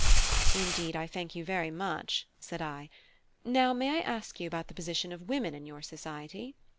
"Indeed I thank you very much," said I. "Now may I ask you about the position of women in your society?"